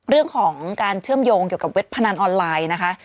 เรื่องของการเชื่อมโยงเกี่ยวกับเว็บพนันออนไลน์นะคะ